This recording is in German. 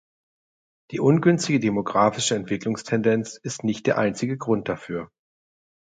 Die ungünstige demografische Entwicklungstendenz ist nicht der einzig Grund dafür.